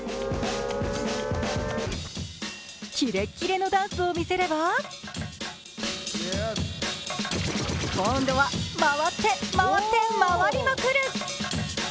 キレッキレのダンスを見せれば今度は回って、回って回りまくる！